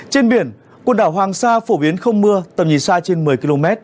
trên biển quần đảo hoàng sa phổ biến không mưa tầm nhìn xa trên một mươi km